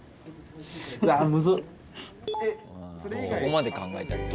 そこまで考えて。